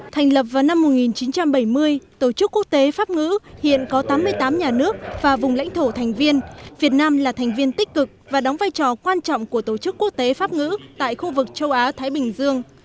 thành lập vào năm một nghìn chín trăm bảy mươi tổ chức quốc tế pháp ngữ hiện có tám mươi tám nhà nước và vùng lãnh thổ thành viên việt nam là thành viên tích cực và đóng vai trò quan trọng của tổ chức quốc tế pháp ngữ tại khu vực châu á thái bình dương